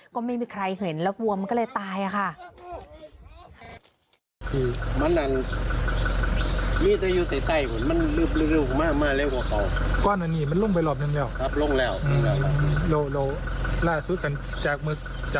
ก็ไม่มีใครเห็นแล้ววัวมันก็เลยตายค่ะ